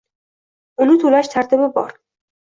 Uni toʻlash tartibi bor